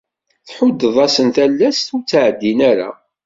Tḥuddeḍ-asen talast, ur d-ttɛeddin ara.